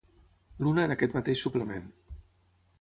L'una en aquest mateix suplement.